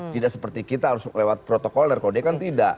tidak seperti kita harus lewat protokol dan kode kan tidak